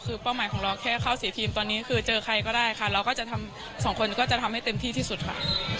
คือเป้าหมายของเราแค่เข้า๔ทีมตอนนี้คือเจอใครก็ได้ค่ะเราก็จะทำสองคนก็จะทำให้เต็มที่ที่สุดค่ะ